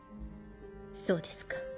そうですか。